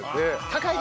高い！